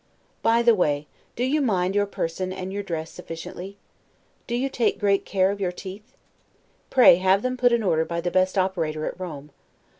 By the way, do you mind your person and your dress sufficiently? Do you take great care of your teeth? Pray have them put in order by the best operator at Rome.